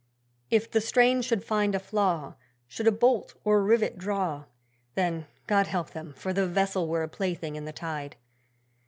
If the strain should find a flaw, Should a bolt or rivet draw, Then God help them! for the vessel were a plaything in the tide!